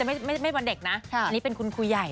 ไม่วันเด็กนะอันนี้เป็นคุณครูใหญ่